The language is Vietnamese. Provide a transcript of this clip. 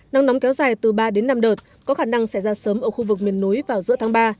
nắng nóng kéo dài từ ba đến năm đợt có khả năng sẽ ra sớm ở khu vực miền núi vào giữa tháng ba